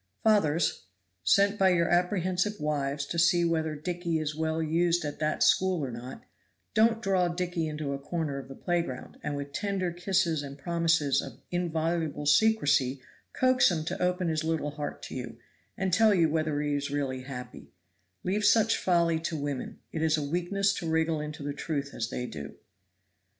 Fathers, sent by your apprehensive wives to see whether Dicky is well used at that school or not, don't draw Dicky into a corner of the playground, and with tender kisses and promises of inviolable secrecy coax him to open his little heart to you, and tell you whether he is really happy; leave such folly to women it is a weakness to wriggle into the truth as they do.